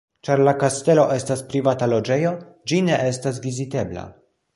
Ĉar la kastelo estas privata loĝejo, ĝi ne estas vizitebla.